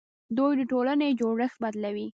دوی د ټولنې جوړښت بدلوي.